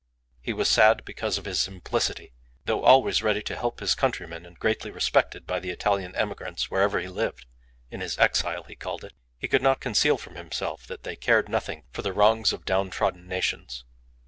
He was sad because of his simplicity. Though always ready to help his countrymen, and greatly respected by the Italian emigrants wherever he lived (in his exile he called it), he could not conceal from himself that they cared nothing for the wrongs of down trodden nations.